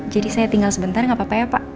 jadi saya tinggal sebentar gak apa apa ya pak